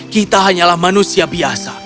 kita hanyalah manusia biasa